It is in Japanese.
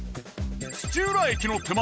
土浦駅の手前